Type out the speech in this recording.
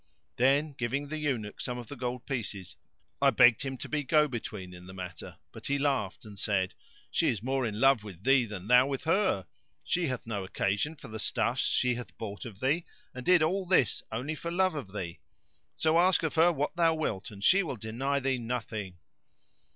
Then giving the eunuch some of the gold pieces, I begged him to be go between[FN#559] in the matter; but he laughed and said, "She is more in love with thee than thou with her: she hath no occasion for the stuffs she hath bought of thee and did all this only for the love of thee; so ask of her what thou wilt and she will deny thee nothing."